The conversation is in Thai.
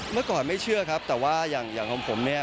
เมื่อก่อนไม่เชื่อครับแต่ว่าอย่างของผมเนี่ย